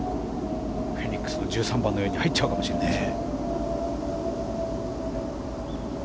フェニックスの１３番のように入っちゃうかもしれないです。